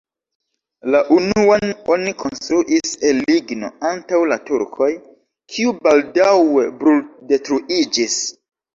La unuan oni konstruis el ligno antaŭ la turkoj, kiu baldaŭe bruldetruiĝis.